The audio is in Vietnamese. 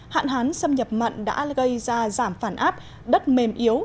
hạn hán xâm nhập mặn đã gây ra giảm phản áp đất mềm yếu